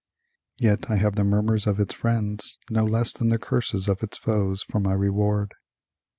Yet I have the murmurs of its friends no less than the curses of its foes for my reward.